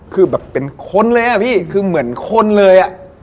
คือแบบเป็นคนเลยอ่ะพี่คือเหมือนคนเลยอ่ะ